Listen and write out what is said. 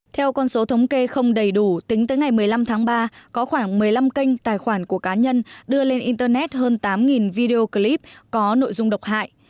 theo con số thống kê không đầy đủ tính tới ngày một mươi năm tháng ba có khoảng một mươi năm kênh tài khoản của cá nhân đưa lên internet hơn tám video clip có nội dung độc hại